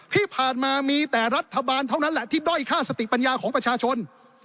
ที่ผ่านมามีแต่รัฐบาลเท่านั้นแหละที่ด้อยค่าสติปัญญาของประชาชน